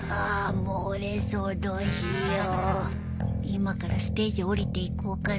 今からステージ降りていこうかな